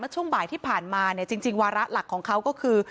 ช่วงบ่ายที่ผ่านมาเนี่ยจริงวาระหลักของเขาก็คือ